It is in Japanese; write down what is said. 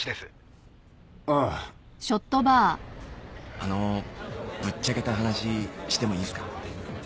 あのぶっちゃけた話してもいいっすか？